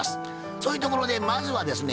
そういうところでまずはですね